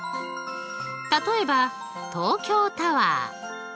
例えば東京タワー。